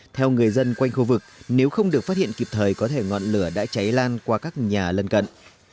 theo người dân quanh khu vực nếu không được phát hiện kịp thời có thể ngọn lửa đã cháy lan qua các nhà lân cận